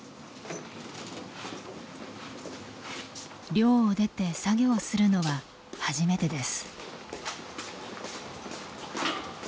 寮を出て作業をするのは初めてです。